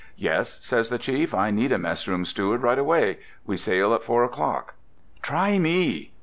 "Yes," says the chief, "I need a mess room steward right away—we sail at four o'clock." "Try me!"